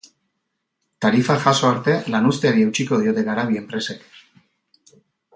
Tarifak jaso arte lanuzteari eutsiko diote garabi enpresek.